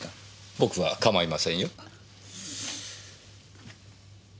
僕はかまいませんよ。